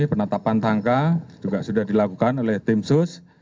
penetapan tangka juga sudah dilakukan oleh tim sus